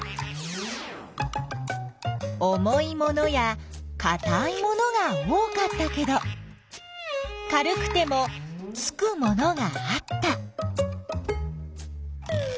重いものやかたいものが多かったけど軽くてもつくものがあった。